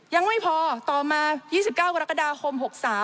ยังไม่พอต่อมา๒๙กรกฎาคม๖๓